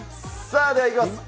さあ、ではいきます。